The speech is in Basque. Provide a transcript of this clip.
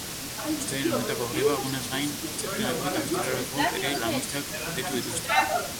Astelehen honetako greba egunaz gain, asteazkenerako eta ostiralerako ere lanuzteak deitu dituzte.